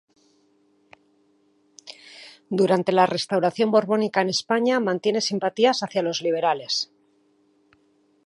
Durante la Restauración borbónica en España mantiene simpatías hacia los liberales.